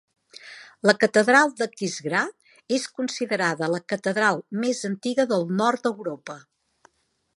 La catedral d'Aquisgrà és considerada la catedral més antiga del nord d'Europa.